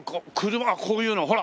車こういうのほら！